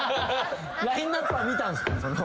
ラインアップは見たんすか？